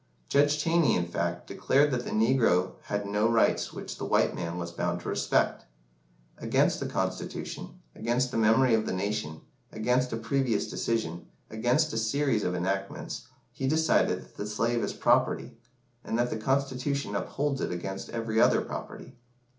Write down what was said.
Judge Taney, in fact, declared that the negro had no rights which the white man was bound to respect. "Against the Constitution against the memory of the nation against a previous decision against a series of enactments he decided that the slave is property, and that the Constitution upholds it against every other property."